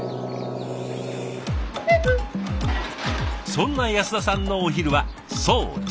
そんな安田さんのお昼はそう自作弁当。